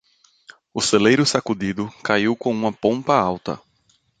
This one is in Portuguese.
O celeiro sacudido caiu com uma pompa alta.